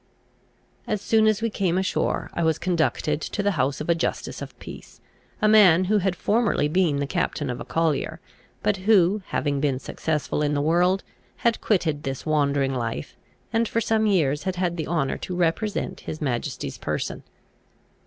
As soon as we came ashore, I was conducted to the house of a justice of peace, a man who had formerly been the captain of a collier, but who, having been successful in the world, had quitted this wandering life, and for some years had had the honour to represent his majesty's person.